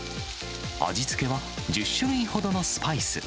味付けは１０種類ほどのスパイス。